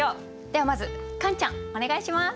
ではまずカンちゃんお願いします。